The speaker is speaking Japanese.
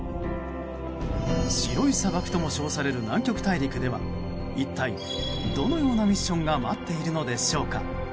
白い砂漠とも称される南極大陸では一体どのようなミッションが待っているのでしょうか。